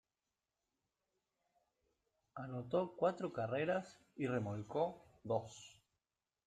Anotó cuatro carreras y remolcó dos.